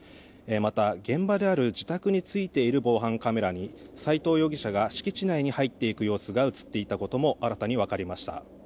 また、現場である自宅についている防犯カメラに斎藤容疑者が敷地内に入っていく様子が映っていたことも新たにわかりました。